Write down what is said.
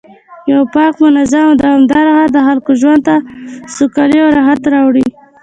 یو پاک، منظم او دوامدار ښار د خلکو ژوند ته سوکالي او راحت راوړي